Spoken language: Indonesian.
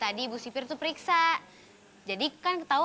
aduh bigbo apaan sih sakit tau